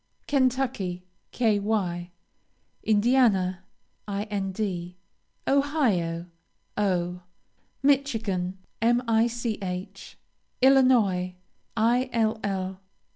Kentucky, Ky. Indiana, Ind. Ohio, O. Michigan, Mich. Illinois, Ill.